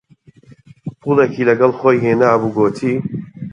پووڵێکی لەگەڵ خۆی هێنابوو، گوتی: